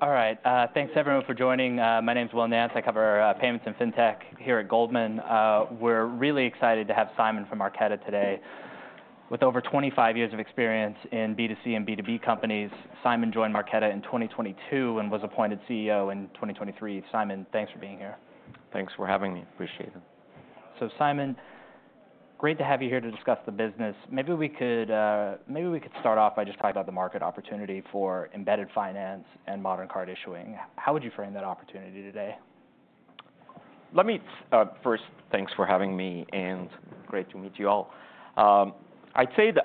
All right, thanks everyone for joining. My name's Will Nance. I cover payments and fintech here at Goldman. We're really excited to have Simon from Marqeta today. With over twenty-five years of experience in B2C and B2B companies, Simon joined Marqeta in 2022 and was appointed CEO in 2023. Simon, thanks for being here. Thanks for having me. Appreciate it. So Simon, great to have you here to discuss the business. Maybe we could start off by just talking about the market opportunity for embedded finance and modern card issuing. How would you frame that opportunity today? Let me first, thanks for having me, and great to meet you all. I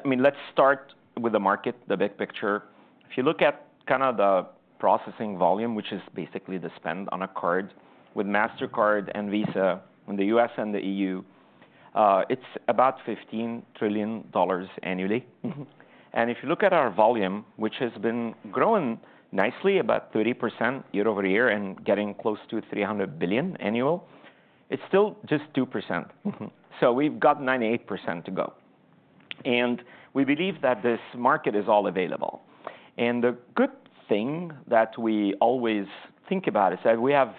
mean, let's start with the market, the big picture. If you look at kind of the processing volume, which is basically the spend on a card, with Mastercard and Visa in the U.S. and the EU, it's about $15 trillion annually. And if you look at our volume, which has been growing nicely, about 30% year-over-year, and getting close to $300 billion annual, it's still just 2%. So we've got 98% to go, and we believe that this market is all available. And the good thing that we always think about is that we have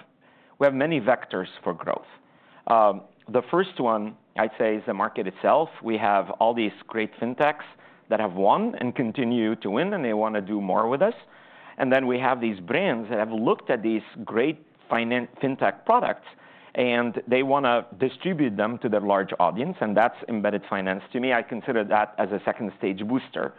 many vectors for growth. The first one, I'd say, is the market itself. We have all these great fintechs that have won and continue to win, and they want to do more with us, and then we have these brands that have looked at these great finance fintech products, and they want to distribute them to their large audience, and that's embedded finance. To me, I consider that as a second-stage booster.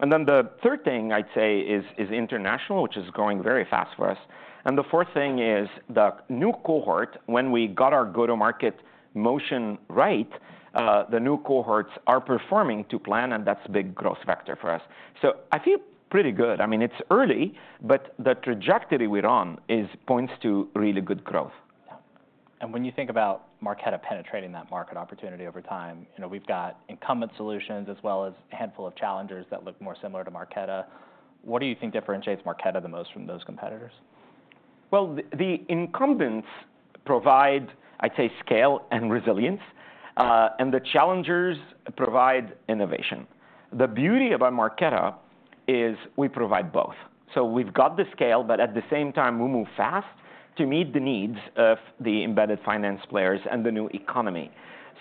And then the third thing I'd say is international, which is growing very fast for us. And the fourth thing is the new cohort. When we got our go-to-market motion right, the new cohorts are performing to plan, and that's a big growth vector for us. So I feel pretty good. I mean, it's early, but the trajectory we're on is points to really good growth. Yeah. And when you think about Marqeta penetrating that market opportunity over time, you know, we've got incumbent solutions as well as a handful of challengers that look more similar to Marqeta. What do you think differentiates Marqeta the most from those competitors? The incumbents provide, I'd say, scale and resilience, and the challengers provide innovation. The beauty about Marqeta is we provide both. So we've got the scale, but at the same time, we move fast to meet the needs of the embedded finance players and the new economy.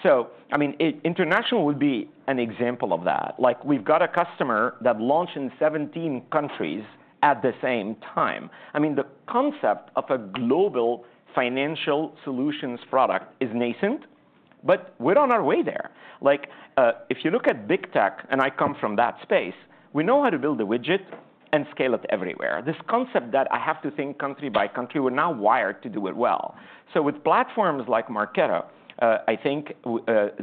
So, I mean, international would be an example of that. Like, we've got a customer that launched in 17 countries at the same time. I mean, the concept of a global financial solutions product is nascent, but we're on our way there. Like, if you look at big tech, and I come from that space, we know how to build a widget and scale it everywhere. This concept that I have to think country by country, we're not wired to do it well. So with platforms like Marqeta, I think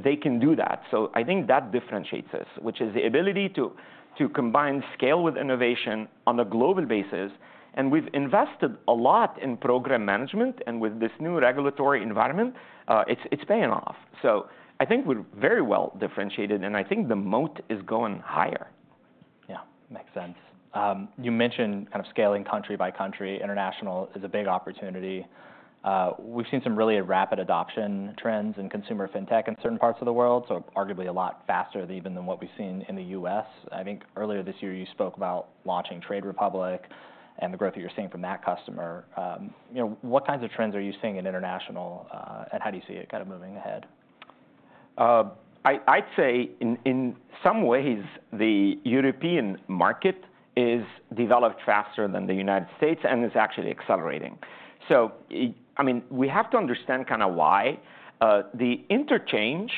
they can do that. So I think that differentiates us, which is the ability to combine scale with innovation on a global basis, and we've invested a lot in program management, and with this new regulatory environment, it's paying off. So I think we're very well differentiated, and I think the moat is going higher. Yeah, makes sense. You mentioned kind of scaling country by country. International is a big opportunity. We've seen some really rapid adoption trends in consumer fintech in certain parts of the world, so arguably a lot faster than even what we've seen in the U.S. I think earlier this year, you spoke about launching Trade Republic and the growth that you're seeing from that customer. You know, what kinds of trends are you seeing in international, and how do you see it kind of moving ahead? I'd say in some ways, the European market is developed faster than the United States and is actually accelerating. I mean, we have to understand kind of why. The interchange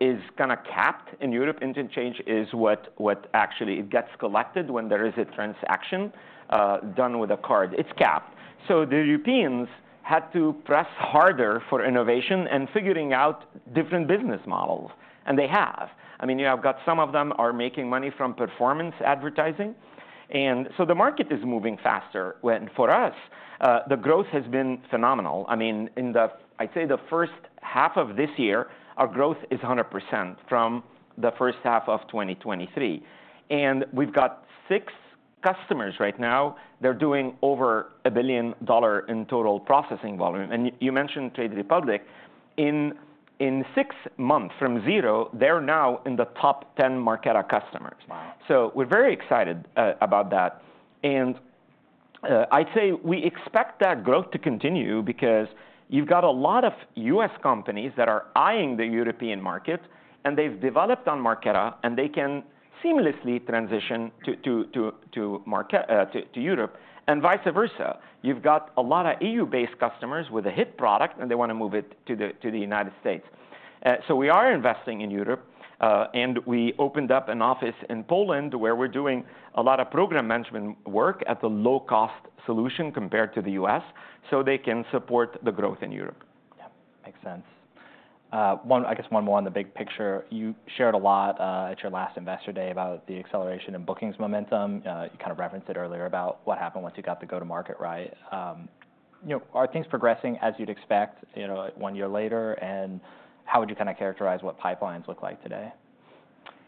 is kind of capped in Europe. Interchange is what actually it gets collected when there is a transaction done with a card. It's capped. So the Europeans had to press harder for innovation and figuring out different business models, and they have. I mean, you have got some of them are making money from performance advertising, and so the market is moving faster. For us, the growth has been phenomenal. I mean, I'd say the first half of this year, our growth is 100% from the first half of 2023. We've got six customers right now. They're doing over $1 billion in total processing volume. You mentioned Trade Republic. In six months, from zero, they're now in the top 10 Marqeta customers. Wow! So we're very excited about that. And I'd say we expect that growth to continue because you've got a lot of U.S. companies that are eyeing the European market, and they've developed on Marqeta, and they can seamlessly transition to Marqeta to Europe, and vice versa. You've got a lot of EU-based customers with a hit product, and they wanna move it to the United States. So we are investing in Europe, and we opened up an office in Poland, where we're doing a lot of program management work at a low-cost solution compared to the U.S., so they can support the growth in Europe. Yeah, makes sense. I guess one more on the big picture. You shared a lot at your last Investor Day about the acceleration in bookings momentum. You kind of referenced it earlier about what happened once you got the go-to-market right. You know, are things progressing as you'd expect, you know, one year later, and how would you kind of characterize what pipelines look like today?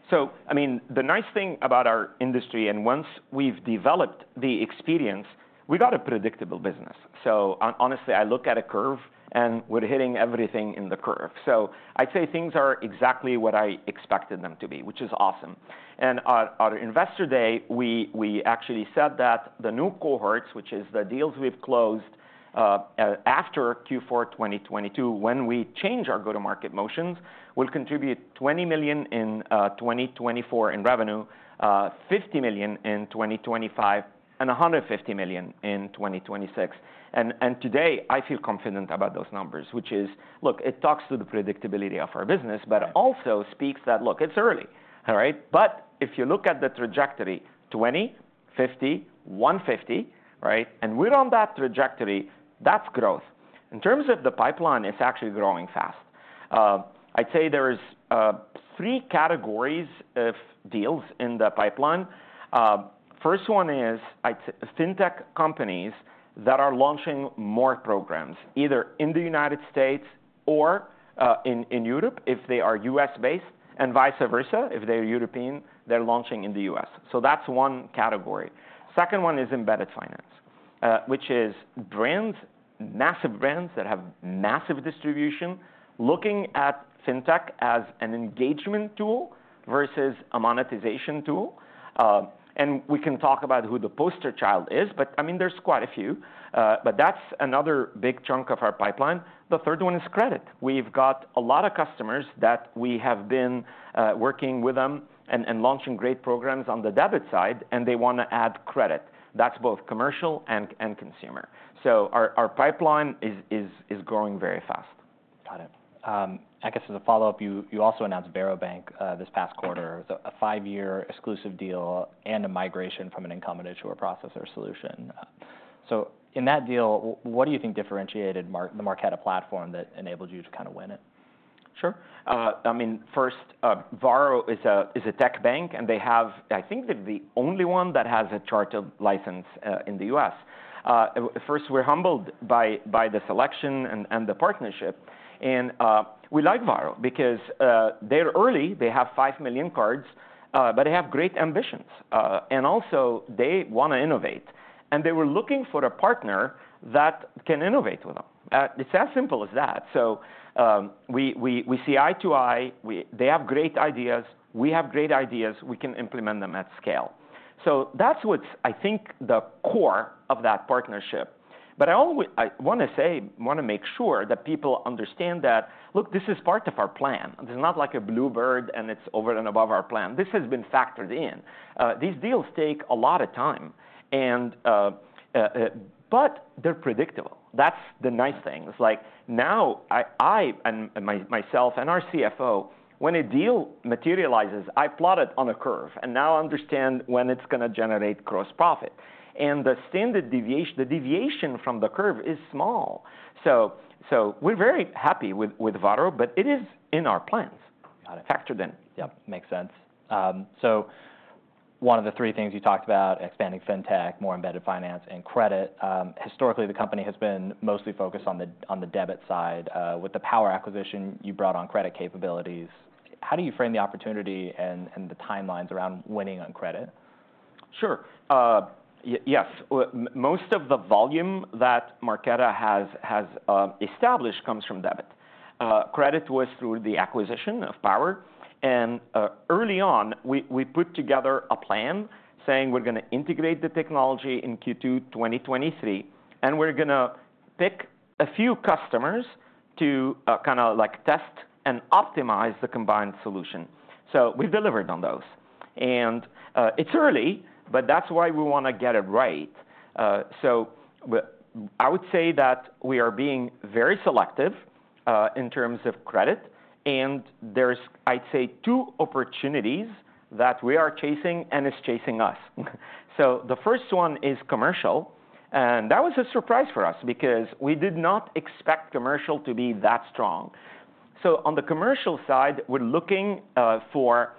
So, I mean, the nice thing about our industry, and once we've developed the experience, we've got a predictable business. So honestly, I look at a curve, and we're hitting everything in the curve. So I'd say things are exactly what I expected them to be, which is awesome. And at our Investor Day, we actually said that the new cohorts, which is the deals we've closed after Q4 2022, when we change our go-to-market motions, will contribute $20 million in 2024 in revenue, $50 million in 2025, and $150 million in 2026. And today, I feel confident about those numbers, which is... Look, it talks to the predictability of our business, but also speaks that, look, it's early, all right? But if you look at the trajectory, twenty, fifty, one fifty, right, and we're on that trajectory, that's growth. In terms of the pipeline, it's actually growing fast. I'd say there's three categories of deals in the pipeline. First one is fintech companies that are launching more programs, either in the United States or in Europe, if they are U.S.-based, and vice versa. If they're European, they're launching in the U.S. So that's one category. Second one is embedded finance, which is brands, massive brands that have massive distribution, looking at fintech as an engagement tool versus a monetization tool. And we can talk about who the poster child is, but I mean, there's quite a few. But that's another big chunk of our pipeline. The third one is credit. We've got a lot of customers that we have been working with them and launching great programs on the debit side, and they wanna add credit. That's both commercial and consumer. So our pipeline is growing very fast. Got it. I guess as a follow-up, you also announced Varo Bank this past quarter, so a five-year exclusive deal and a migration from an incumbent issuer processor solution. So in that deal, what do you think differentiated the Marqeta platform that enabled you to kind of win it? Sure. I mean, first, Varo is a tech bank, and they have, I think they're the only one that has a chartered license in the U.S. First, we're humbled by the selection and the partnership. And we like Varo because they're early, they have five million cards, but they have great ambitions. And also, they wanna innovate, and they were looking for a partner that can innovate with them. It's as simple as that. So we see eye to eye. They have great ideas. We have great ideas. We can implement them at scale. So that's what's, I think, the core of that partnership. But I always, I wanna say, make sure that people understand that, look, this is part of our plan. It's not like a blue bird, and it's over and above our plan. This has been factored in. These deals take a lot of time, and... but they're predictable. That's the nice thing. It's like, now, I and myself and our CFO, when a deal materializes, I plot it on a curve, and now I understand when it's gonna generate gross profit, and the deviation from the curve is small, so we're very happy with Varo, but it is in our plans. Got it. Factored in. Yep, makes sense, so one of the three things you talked about, expanding fintech, more embedded finance, and credit. Historically, the company has been mostly focused on the debit side. With the Power acquisition, you brought on credit capabilities. How do you frame the opportunity and the timelines around winning on credit? Sure. Yes. Most of the volume that Marqeta has established comes from debit. Credit was through the acquisition of Power, and early on, we put together a plan saying we're gonna integrate the technology in Q2 2023, and we're gonna pick a few customers to kind of, like, test and optimize the combined solution. So we've delivered on those. And it's early, but that's why we wanna get it right. So I would say that we are being very selective in terms of credit, and there's, I'd say, two opportunities that we are chasing, and it's chasing us. So the first one is commercial, and that was a surprise for us because we did not expect commercial to be that strong. So on the commercial side, we're looking for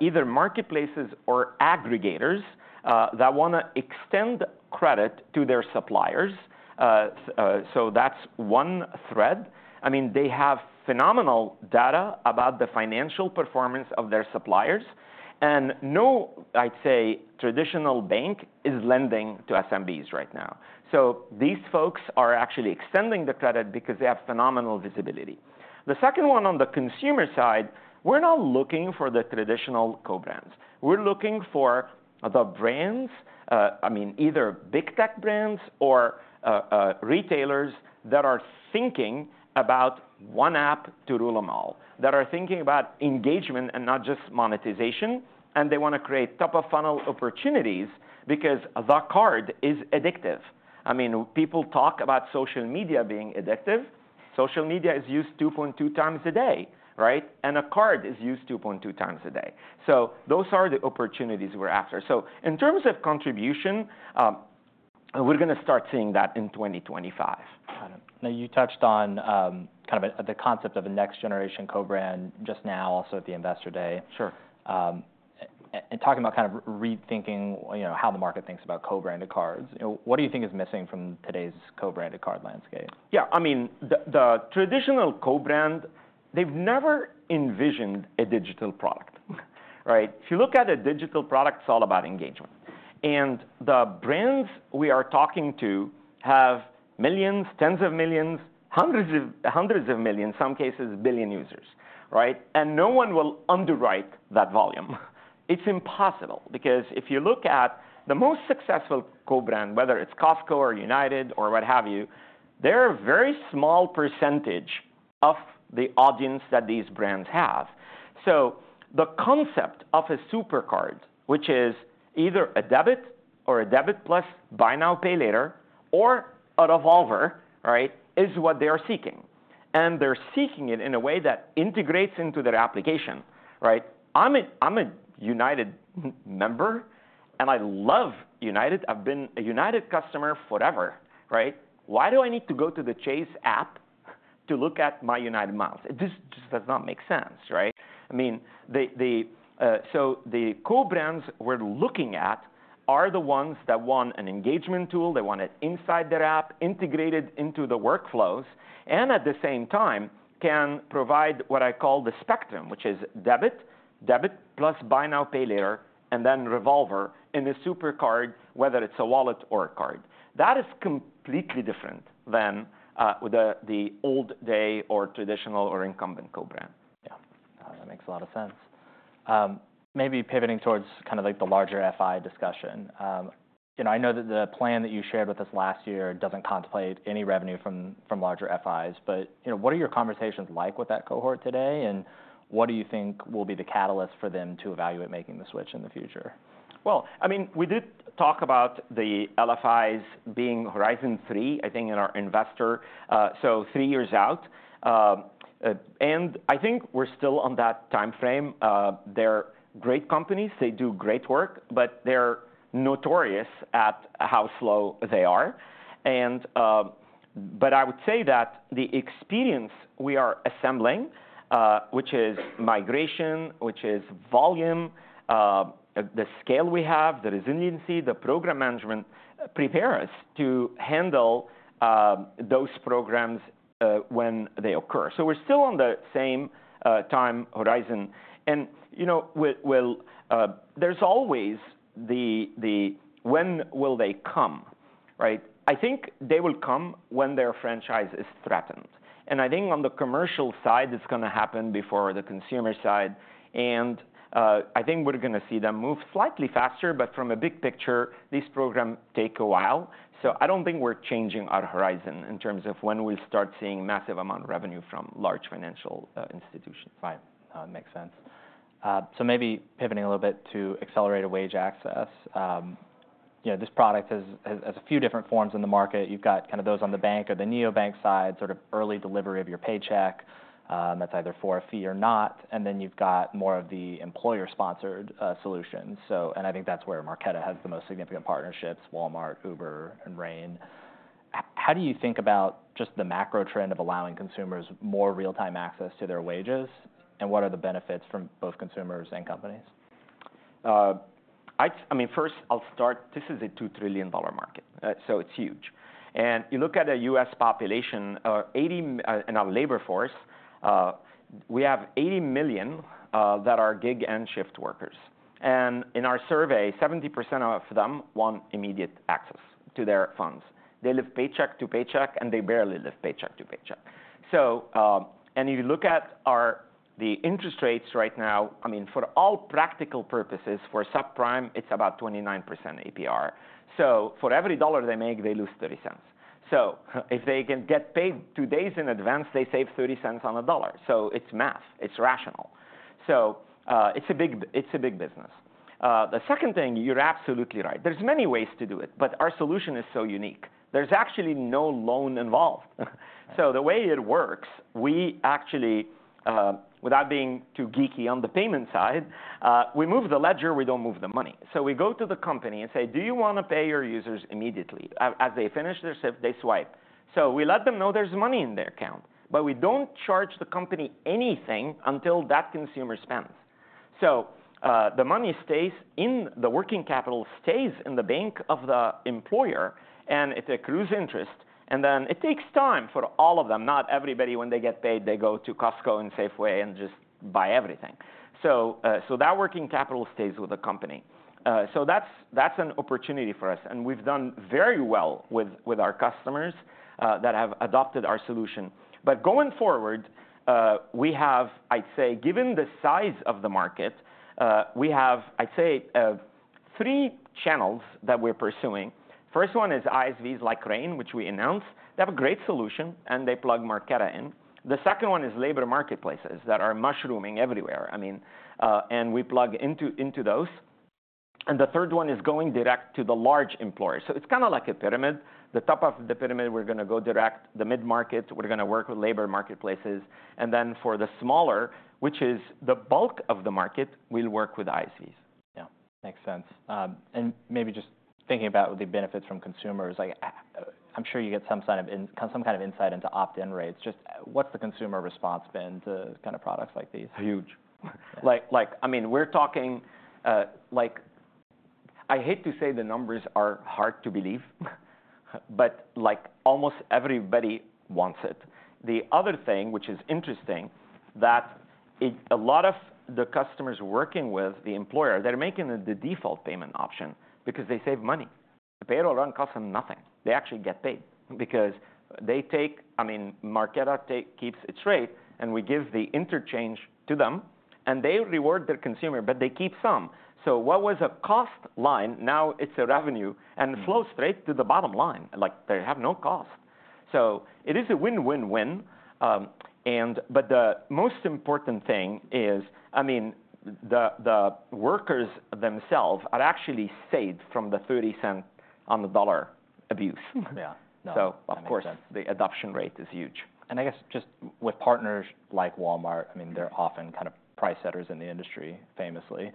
either marketplaces or aggregators that wanna extend credit to their suppliers. So that's one thread. I mean, they have phenomenal data about the financial performance of their suppliers, and no, I'd say, traditional bank is lending to SMBs right now. So these folks are actually extending the credit because they have phenomenal visibility. The second one, on the consumer side, we're not looking for the traditional co-brands. We're looking for the brands, I mean, either big tech brands or retailers that are thinking about one app to rule them all, that are thinking about engagement and not just monetization, and they wanna create top-of-funnel opportunities because the card is addictive. I mean, people talk about social media being addictive. Social media is used 2.2x a day, right? And a card is used 2.2x a day. So those are the opportunities we're after. So in terms of contribution, we're gonna start seeing that in 2025. Got it. Now, you touched on kind of the concept of a next-generation co-brand just now, also at the Investor Day. Sure. and talking about kind of rethinking, you know, how the market thinks about co-branded cards, you know, what do you think is missing from today's co-branded card landscape? Yeah, I mean, the traditional co-brand, they've never envisioned a digital product, right? If you look at a digital product, it's all about engagement, and the brands we are talking to have millions, tens of millions, hundreds of millions, in some cases, a billion users, right? And no one will underwrite that volume. It's impossible, because if you look at the most successful co-brand, whether it's Costco or United or what have you, they're a very small percentage of the audience that these brands have. So the concept of a super card, which is either a debit or a debit plus buy now, pay later, or a revolver, right, is what they are seeking, and they're seeking it in a way that integrates into their application, right? I'm a United member, and I love United. I've been a United customer forever, right? Why do I need to go to the Chase app to look at my United miles? It just, just does not make sense, right? I mean, so the co-brands we're looking at are the ones that want an engagement tool. They want it inside their app, integrated into the workflows, and at the same time, can provide what I call the spectrum, which is debit, debit plus buy now, pay later, and then revolver in a super card, whether it's a wallet or a card. That is completely different than the old day or traditional or incumbent co-brand. Yeah. That makes a lot of sense. Maybe pivoting towards kind of, like, the larger FI discussion. You know, I know that the plan that you shared with us last year doesn't contemplate any revenue from larger FIs, but, you know, what are your conversations like with that cohort today, and what do you think will be the catalyst for them to evaluate making the switch in the future? I mean, we did talk about the LFIs being horizon three, I think, in our investor, so three years out. And I think we're still on that timeframe. They're great companies. They do great work, but they're notorious at how slow they are. And, but I would say that the experience we are assembling, which is migration, which is volume, the scale we have, the resiliency, the program management, prepare us to handle those programs, when they occur. So we're still on the same time horizon. And, you know, well, there's always the when will they come, right? I think they will come when their franchise is threatened, and I think on the commercial side, it's gonna happen before the consumer side. And, I think we're gonna see them move slightly faster, but from a big picture, these program take a while. So I don't think we're changing our horizon in terms of when we'll start seeing massive amount of revenue from large financial institutions. Right. Makes sense. So maybe pivoting a little bit to accelerated wage access. You know, this product has a few different forms in the market. You've got kind of those on the bank or the neobank side, sort of early delivery of your paycheck, that's either for a fee or not, and then you've got more of the employer-sponsored solutions, and I think that's where Marqeta has the most significant partnerships, Walmart, Uber, and Rain. How do you think about just the macro trend of allowing consumers more real-time access to their wages, and what are the benefits from both consumers and companies? I mean, first, I'll start, this is a $2 trillion market, so it's huge. And you look at the U.S. population, in our labor force, we have 80 million that are gig and shift workers, and in our survey, 70% of them want immediate access to their funds. They live paycheck to paycheck, and they barely live paycheck to paycheck. So, and you look at the interest rates right now, I mean, for all practical purposes, for subprime, it's about 29% APR. So for every $1 they make, they lose $0.30. So if they can get paid two days in advance, they save $0.30 on a $1. So it's math, it's rational. So, it's a big, it's a big business. The second thing, you're absolutely right. There's many ways to do it, but our solution is so unique. There's actually no loan involved. So the way it works, we actually, without being too geeky on the payment side, we move the ledger, we don't move the money. So we go to the company and say, "Do you want to pay your users immediately? As they finish their shift, they swipe." So we let them know there's money in their account, but we don't charge the company anything until that consumer spends. So, the money stays in... The working capital stays in the bank of the employer, and it accrues interest, and then it takes time for all of them. Not everybody, when they get paid, they go to Costco and Safeway and just buy everything. So, so that working capital stays with the company. So that's, that's an opportunity for us, and we've done very well with, with our customers, that have adopted our solution. But going forward, we have, I'd say, given the size of the market, we have, I'd say, three channels that we're pursuing. First one is ISVs like Rain, which we announced. They have a great solution, and they plug Marqeta in. The second one is labor marketplaces that are mushrooming everywhere, I mean, and we plug into, into those. And the third one is going direct to the large employers. So it's kind of like a pyramid. The top of the pyramid, we're gonna go direct. The mid-market, we're gonna work with labor marketplaces. And then for the smaller, which is the bulk of the market, we'll work with ISVs. Yeah, makes sense. And maybe just thinking about the benefits from consumers, like, I'm sure you get some kind of insight into opt-in rates. Just, what's the consumer response been to kind of products like these? Huge. Like, I mean, we're talking, like, I hate to say the numbers are hard to believe, but, like, almost everybody wants it. The other thing, which is interesting, a lot of the customers working with the employer, they're making it the default payment option because they save money. The payroll run costs them nothing. They actually get paid because they take I mean Marqeta keeps its rate, and we give the interchange to them, and they reward their consumer, but they keep some. So what was a cost line, now it's a revenue, and it flows straight to the bottom line, like, they have no cost. So it is a win, win, win. And but the most important thing is, I mean, the workers themselves are actually saved from the $0.30 on the dollar abuse. Yeah. No, that makes sense. Of course, the adoption rate is huge. And I guess just with partners like Walmart, I mean, they're often kind of price setters in the industry, famously.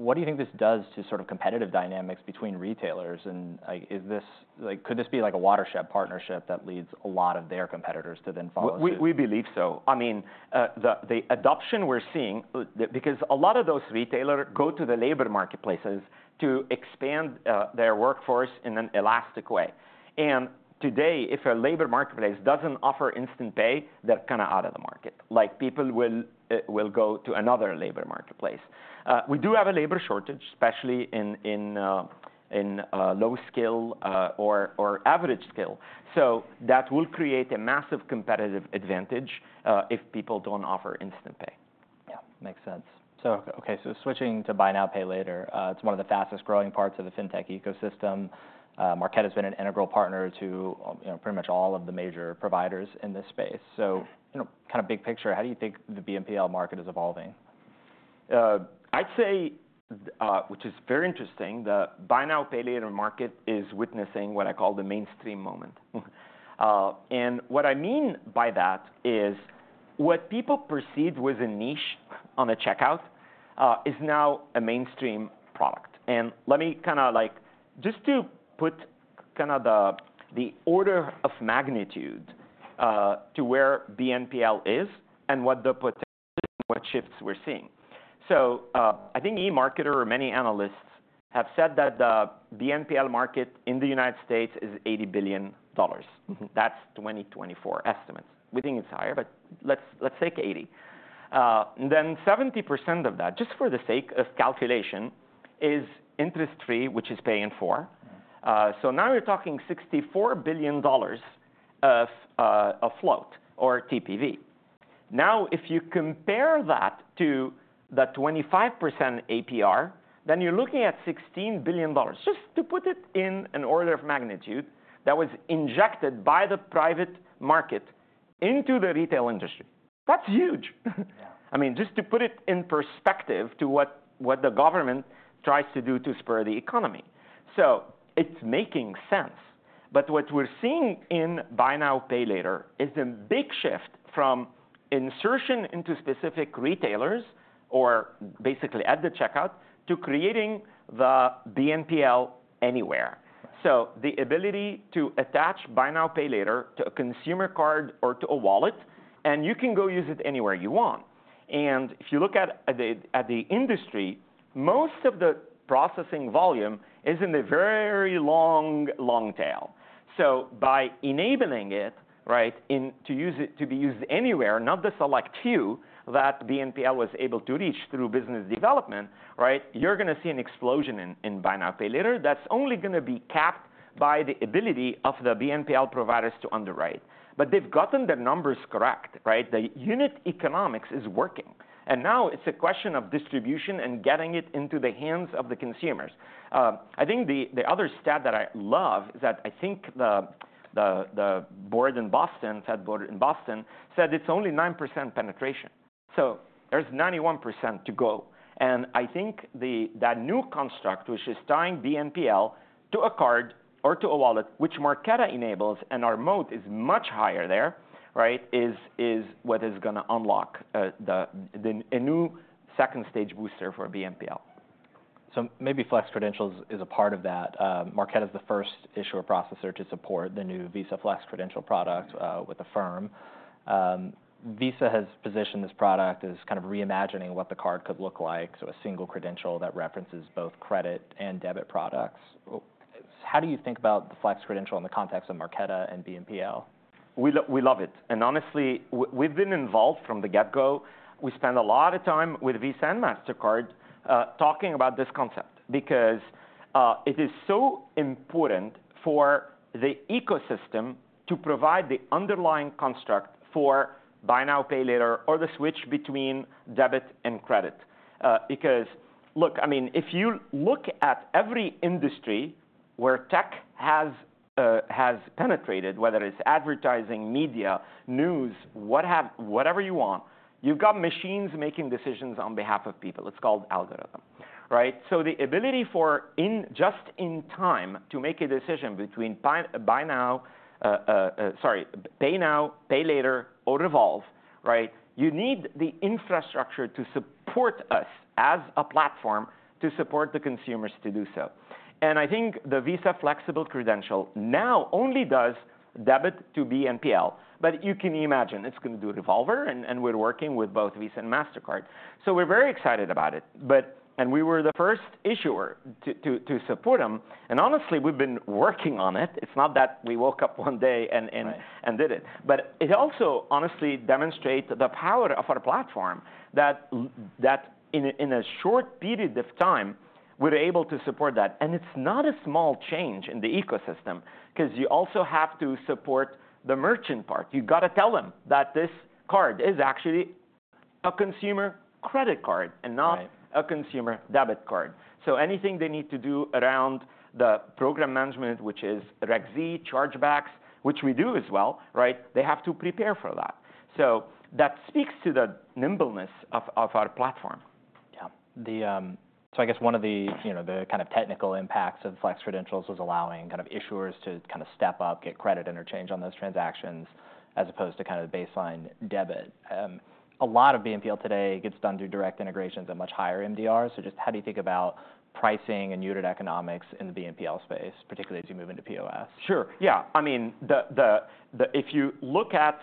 What do you think this does to sort of competitive dynamics between retailers, and, like, is this... like, could this be like a watershed partnership that leads a lot of their competitors to then follow suit? We believe so. I mean, the adoption we're seeing, because a lot of those retailers go to the labor marketplaces to expand their workforce in an elastic way. And today, if a labor marketplace doesn't offer instant pay, they're kind of out of the market, like people will go to another labor marketplace. We do have a labor shortage, especially in low skill or average skill. So that will create a massive competitive advantage, if people don't offer instant pay. Yeah, makes sense. So, okay, so switching to buy now, pay later, it's one of the fastest growing parts of the fintech ecosystem. Marqeta has been an integral partner to, you know, pretty much all of the major providers in this space. So, you know, kind of big picture, how do you think the BNPL market is evolving? I'd say, which is very interesting, the buy now, pay later market is witnessing what I call the mainstream moment. And what I mean by that is, what people perceived was a niche on the checkout, is now a mainstream product. And let me kind of like just to put kind of the order of magnitude, to where BNPL is and what the potential, what shifts we're seeing. So, I think eMarketer or many analysts have said that the BNPL market in the United States is $80 billion. Mm-hmm. That's 2024 estimates. We think it's higher, but let's take 80%. Then 70% of that, just for the sake of calculation, is interest free, which is pay in four. So now you're talking $64 billion of a float or TPV. Now, if you compare that to the 25% APR, then you're looking at $16 billion, just to put it in an order of magnitude, that was injected by the private market into the retail industry. That's huge! Yeah. I mean, just to put it in perspective to what the government tries to do to spur the economy, so it's making sense, but what we're seeing in buy now, pay later is a big shift from insertion into specific retailers, or basically at the checkout, to creating the BNPL anywhere. The ability to attach buy now, pay later to a consumer card or to a wallet, and you can go use it anywhere you want. If you look at the industry, most of the processing volume is in the very long tail. By enabling it, right, to use it anywhere, not the select few that BNPL was able to reach through business development, right, you're going to see an explosion in buy now, pay later that's only going to be capped by the ability of the BNPL providers to underwrite. They've gotten their numbers correct, right? The unit economics is working, and now it's a question of distribution and getting it into the hands of the consumers. I think the other stat that I love is that I think the Fed board in Boston said it's only 9% penetration, so there's 91% to go. And I think that new construct, which is tying BNPL to a card or to a wallet, which Marqeta enables, and our moat is much higher there, right, is what is going to unlock a new second stage booster for BNPL. Maybe Flex Credentials is a part of that. Marqeta is the first issuer processor to support the new Visa Flex Credential product with the firm. Visa has positioned this product as kind of reimagining what the card could look like, so a single credential that references both credit and debit products. Well, how do you think about the Flex Credential in the context of Marqeta and BNPL? We love it. And honestly, we've been involved from the get-go. We spend a lot of time with Visa and MasterCard talking about this concept, because it is so important for the ecosystem to provide the underlying construct for buy now, pay later, or the switch between debit and credit. Because, look, I mean, if you look at every industry where tech has penetrated, whether it's advertising, media, news, whatever you want, you've got machines making decisions on behalf of people. It's called algorithms. Right? So the ability in just in time to make a decision between buy now, sorry, pay now, pay later, or revolve, right? You need the infrastructure to support us as a platform to support the consumers to do so. I think the Visa Flexible Credential now only does debit to BNPL. But you can imagine it's going to do a revolver, and we're working with both Visa and Mastercard. We're very excited about it, but we were the first issuer to support them. Honestly, we've been working on it. It's not that we woke up one day and. and did it. But it also honestly demonstrates the power of our platform, that in a short period of time, we're able to support that. And it's not a small change in the ecosystem, 'cause you also have to support the merchant part. You've got to tell them that this card is actually a consumer credit card and not- a consumer debit card. So anything they need to do around the program management, which is Reg Z, chargebacks, which we do as well, right, they have to prepare for that. So that speaks to the nimbleness of our platform. Yeah. So I guess one of the, you know, the kind of technical impacts of Flex Credentials was allowing kind of issuers to kind of step up, get credit interchange on those transactions, as opposed to kind of baseline debit. A lot of BNPL today gets done through direct integrations and much higher MDRs. So just how do you think about pricing and unit economics in the BNPL space, particularly as you move into POS? Sure. Yeah. I mean, if you look at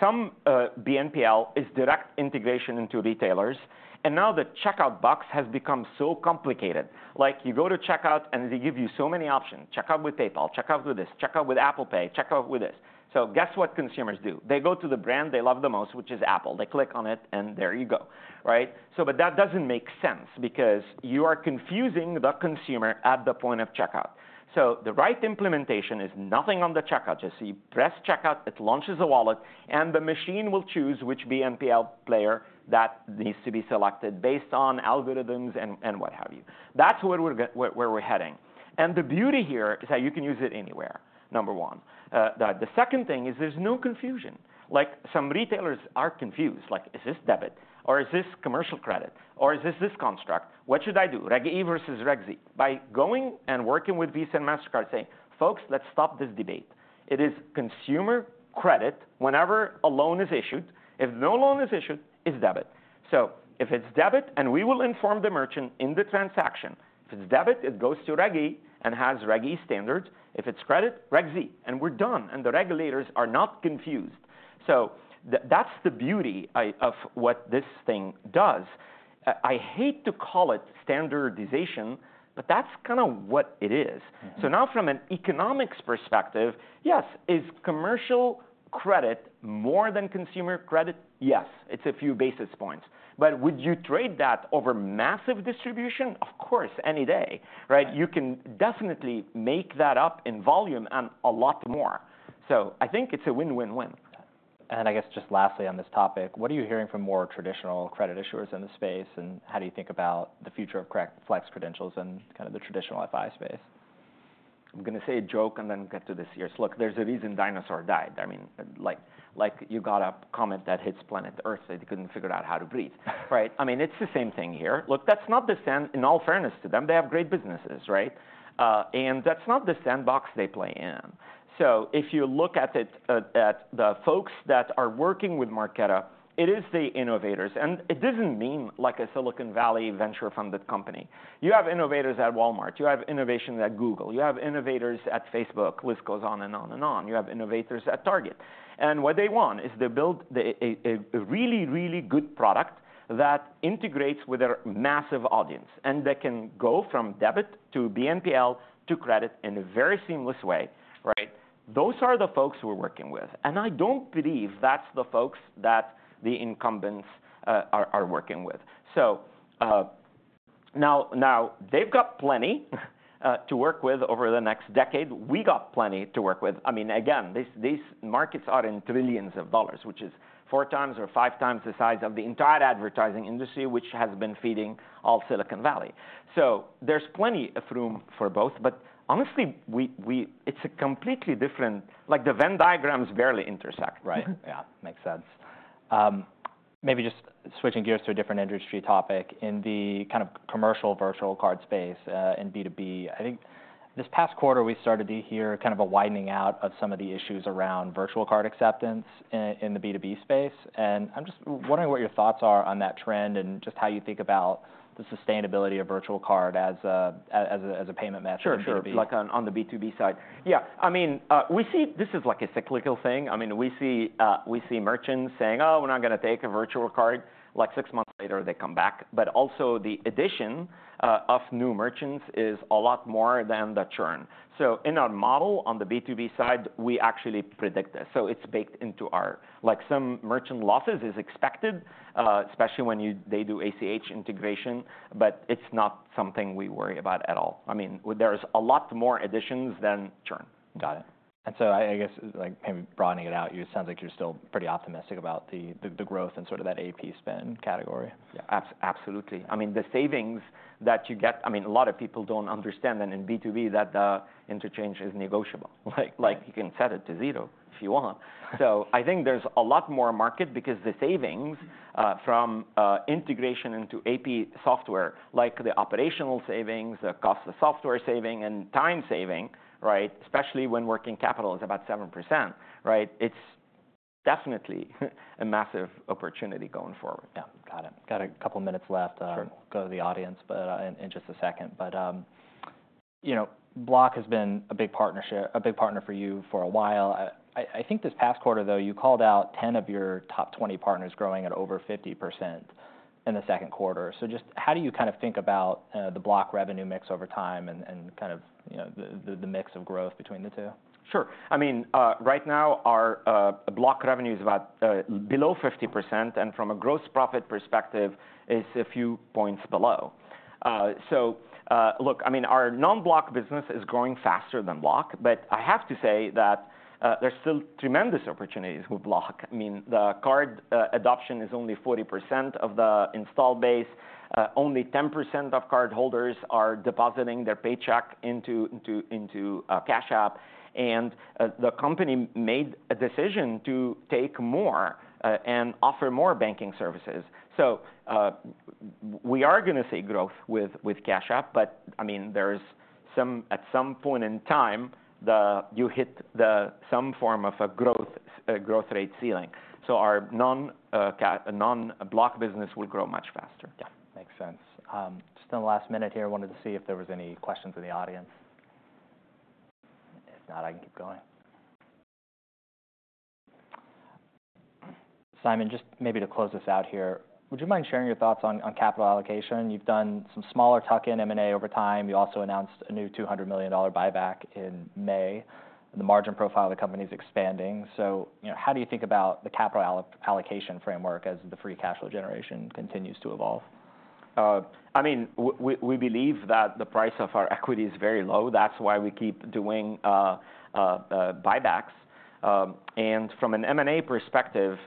some BNPL is direct integration into retailers, and now the checkout box has become so complicated. Like, you go to checkout, and they give you so many options: checkout with PayPal, check out with this, check out with Apple Pay, check out with this. So guess what consumers do? They go to the brand they love the most, which is Apple. They click on it, and there you go, right? So but that doesn't make sense because you are confusing the consumer at the point of checkout. So the right implementation is nothing on the checkout. Just you press checkout, it launches a wallet, and the machine will choose which BNPL player that needs to be selected based on algorithms and what have you. That's where we're heading. The beauty here is that you can use it anywhere, number one. The second thing is there's no confusion. Like, some retailers are confused, like, "Is this debit or is this commercial credit, or is this this construct? What should I do, Reg E versus Reg Z?" By going and working with Visa and Mastercard, saying, "Folks, let's stop this debate. It is consumer credit whenever a loan is issued. If no loan is issued, it's debit." So if it's debit, and we will inform the merchant in the transaction, if it's debit, it goes to Reg E and has Reg E standards. If it's credit, Reg Z, and we're done, and the regulators are not confused. So that's the beauty of what this thing does. I hate to call it standardization, but that's kind of what it is. So now, from an economics perspective, yes, is commercial credit more than consumer credit? Yes, it's a few basis points. But would you trade that over massive distribution? Of course, any day, right? Yeah. You can definitely make that up in volume and a lot more. So I think it's a win-win-win. Yeah. And I guess just lastly on this topic, what are you hearing from more traditional credit issuers in the space, and how do you think about the future of Flex Credentials and kind of the traditional FI space? I'm going to say a joke and then get to the serious. Look, there's a reason dinosaurs died. I mean, like, you got a comet that hits planet Earth, so they couldn't figure out how to breathe, right? I mean, it's the same thing here. Look, in all fairness to them, they have great businesses, right? And that's not the sandbox they play in. So if you look at it, at the folks that are working with Marqeta, it is the innovators, and it doesn't mean like a Silicon Valley venture-funded company. You have innovators at Walmart. You have innovation at Google. You have innovators at Facebook. The list goes on and on and on. You have innovators at Target, and what they want is to build the really good product that integrates with a massive audience and that can go from debit to BNPL to credit in a very seamless way, right? Those are the folks we're working with, and I don't believe that's the folks that the incumbents are working with. So, now they've got plenty to work with over the next decade. We got plenty to work with. I mean, again, these markets are in trillions of dollars, which is four times or five times the size of the entire advertising industry, which has been feeding all Silicon Valley. So there's plenty of room for both, but honestly, we- it's a completely different. Like, the Venn diagrams barely intersect, right? Yeah, makes sense. Maybe just switching gears to a different industry topic, in the kind of commercial virtual card space, in B2B, I think this past quarter, we started to hear kind of a widening out of some of the issues around virtual card acceptance in the B2B space. And I'm just wondering what your thoughts are on that trend and just how you think about the sustainability of virtual card as a payment method in B2B. Sure, sure. Like on the B2B side. Yeah, I mean, we see this is like a cyclical thing. I mean, we see merchants saying, "Oh, we're not going to take a virtual card." Like six months later, they come back. But also the addition of new merchants is a lot more than the churn. So in our model, on the B2B side, we actually predict this, so it's baked into our... Like, some merchant losses is expected, especially when you- they do ACH integration, but it's not something we worry about at all. I mean, there is a lot more additions than churn. Got it. And so I guess, like, maybe broadening it out, it sounds like you're still pretty optimistic about the growth and sort of that AP spend category. Yeah, absolutely. I mean, the savings that you get. I mean, a lot of people don't understand that in B2B, that the interchange is negotiable. Like, you can set it to zero if you want. So I think there's a lot more market because the savings from integration into AP software, like the operational savings, the cost of software saving, and time saving, right? Especially when working capital is about 7%, right? It's definitely a massive opportunity going forward. Yeah. Got it. Got a couple minutes left- Sure. Go to the audience, but in just a second. But you know, Block has been a big partner for you for a while. I think this past quarter, though, you called out ten of your top 20 partners growing at over 50% in the second quarter. So just how do you kind of think about the Block revenue mix over time and kind of, you know, the mix of growth between the two? Sure. I mean, right now, our Block revenue is about below 50%, and from a gross profit perspective, is a few points below. So, look, I mean, our non-Block business is growing faster than Block, but I have to say that, there's still tremendous opportunities with Block. I mean, the card adoption is only 40% of the install base. Only 10% of cardholders are depositing their paycheck into Cash App. And, the company made a decision to take more and offer more banking services. So, we are gonna see growth with Cash App, but I mean, at some point in time, you hit some form of a growth rate ceiling. So our non-Block business will grow much faster. Yeah, makes sense. Just in the last minute here, I wanted to see if there was any questions in the audience. If not, I can keep going. Simon, just maybe to close this out here, would you mind sharing your thoughts on capital allocation? You've done some smaller tuck-in M&A over time. You also announced a new $200 million buyback in May, and the margin profile of the company is expanding. So, you know, how do you think about the capital allocation framework as the free cash flow generation continues to evolve? I mean, we believe that the price of our equity is very low. That's why we keep doing buybacks. And from an M&A perspective,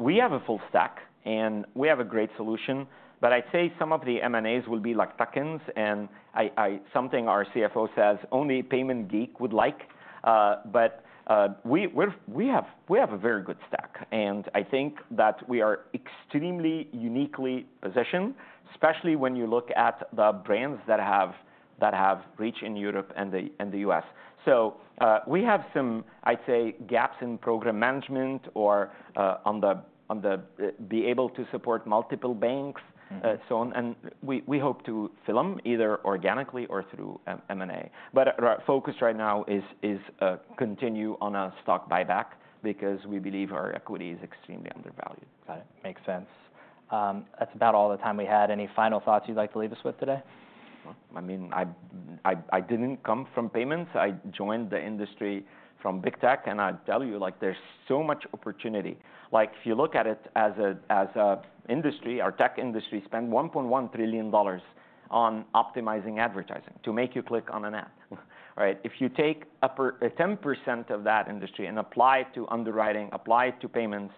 we have a full stack, and we have a great solution, but I'd say some of the M&As will be like tuck-ins. And something our CFO says, "Only payment geek would like." But we have a very good stack, and I think that we are extremely uniquely positioned, especially when you look at the brands that have reach in Europe and the U.S. We have some, I'd say, gaps in program management or be able to support multiple banks- so on, and we hope to fill them either organically or through M&A. But our focus right now is continue on a stock buyback because we believe our equity is extremely undervalued. Got it. Makes sense. That's about all the time we had. Any final thoughts you'd like to leave us with today? I mean, I didn't come from payments. I joined the industry from big tech, and I tell you, like, there's so much opportunity. Like, if you look at it as an industry, our tech industry spend $1.1 trillion on optimizing advertising to make you click on an ad, right? If you take 10% of that industry and apply it to underwriting, apply it to payments,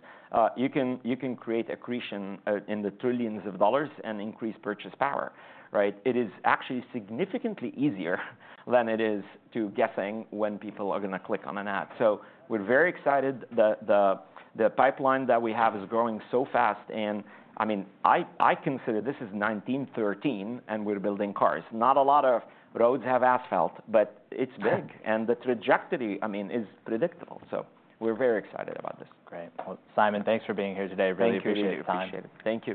you can create accretion in the trillions of dollars and increase purchase power, right? It is actually significantly easier than it is to guessing when people are gonna click on an ad. So we're very excited that the pipeline that we have is growing so fast, and I mean, I consider this is 1913, and we're building cars. Not a lot of roads have asphalt, but it's big. Yeah. and the trajectory, I mean, is predictable, so we're very excited about this. Great. Well, Simon, thanks for being here today. Thank you for your time. Really appreciate it. Thank you.